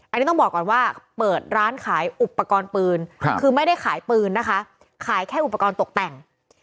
อันนี้ต้องบอกก่อนว่าเปิดร้านขายอุปกรณ์ปืนคือไม่ได้ขายปืนนะคะขายแค่อุปกรณ์ตกแต่ง